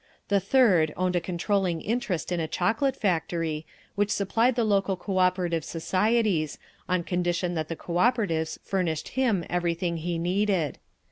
The third owned a controlling interest in a chocolate factory, which supplied the local Cooperative societies—on condition that the Cooperatives furnished him everything he needed.